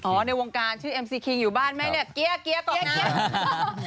เกียร์เกียร์เกียร์เกียร์